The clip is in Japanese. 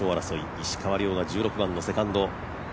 石川遼が１６番のセカンド。